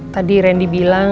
tadi randy bilang